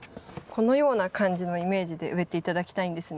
このような感じのイメージで植えて頂きたいんですね。